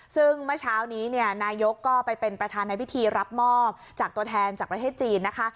ซึ่งเมื่อเช้านี้เนี่ยนายกก็ไปเป็นประธานในพิธีรับมอบจากตัวแทนจากประเทศจีนนะคะ